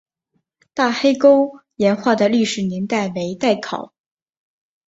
大黑沟岩画的历史年代为待考。